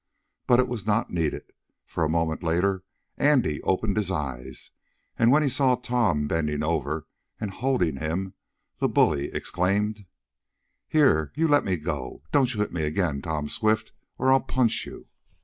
But it was not needed, for, a moment later, Andy opened his eyes, and, when he saw Tom bending over, and holding him, the bully exclaimed: "Here! You let me go! Don't you hit me again, Tom Swift, or I'll punch you!"